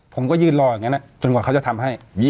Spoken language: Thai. ผมก็ยืนรออย่างนั้นจนกว่าเขาจะทำให้